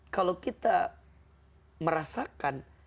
kalau kita merasakan